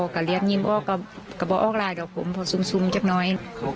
กะเรียดนิ่มออกกะบอกออกรายดอกผมพอซุ่มจากน้อย